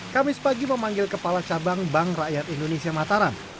kamis pagi memanggil kepala cabang bank rakyat indonesia mataram